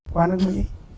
qua nước mỹ